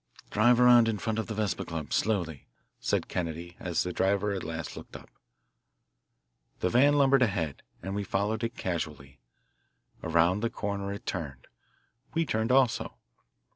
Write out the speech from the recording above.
"Drive around in front of the Vesper Club slowly," said Kennedy as the driver at last looked up. The van lumbered ahead, and we followed it casually. Around the corner it turned. We turned also.